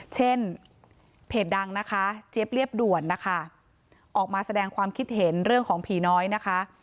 เช่นเพจดังนะคะเจี๊ยบเรียบด่วนนะคะออกมาแสดงความคิดเห็นเรื่องของผีน้อยนะคะ